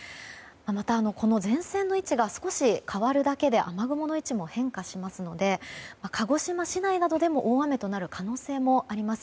また、前線の位置が少し変わるだけで、雨雲の位置も変化しますので鹿児島市内などでも大雨となる可能性もあります。